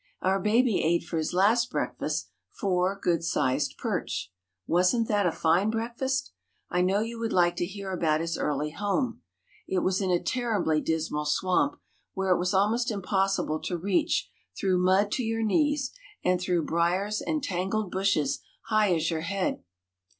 Our baby ate for his last breakfast four good sized perch. Wasn't that a fine breakfast? I know you would like to hear about his early home. It was in a terribly dismal swamp, where it was almost impossible to reach, through mud to your knees and through briers and tangled bushes high as your head.